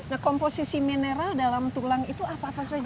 nah komposisi mineral dalam tulang itu apa apa saja